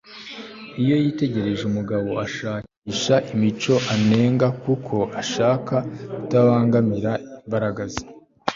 iyo yitegereje umugabo ashakisha imico anenga kuko ashaka kutabangamira imbaraga ze